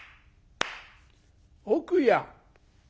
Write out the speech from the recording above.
「奥や」。